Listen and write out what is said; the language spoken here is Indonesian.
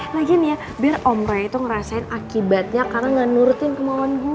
lagian ya biar om roy merasakan akibatnya karena tidak menurutkan kemauan saya